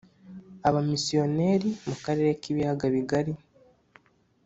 abamisiyoneri mu karere k ibiyaga bigali